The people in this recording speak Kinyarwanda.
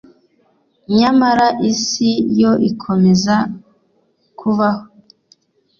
nyamara isi yo ikomeza kubaho